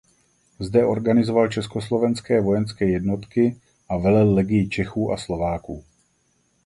Zde organizoval československé vojenské jednotky a velel Legii Čechů a Slováků.